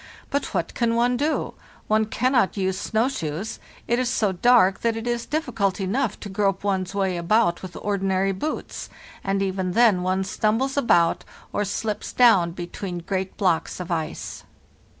But what can one do? One cannot use snow shoes; it is so dark that it is difficult enough to grope one's way about with ordinary boots, and even then one stumbles about or slips down between great blocks of ice.